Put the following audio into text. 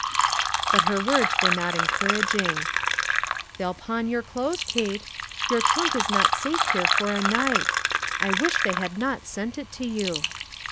But her words were not encouraging: " They'll pawn your clothes, Kate ; your trunk is not safe here for a night. I wish they had not sent it to you.